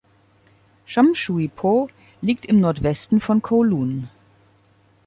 Sham Shui Po liegt im Nordwesten von Kowloon.